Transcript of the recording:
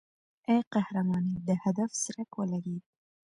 ای قهرمانې د هدف څرک ولګېد.